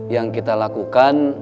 yang kita lakukan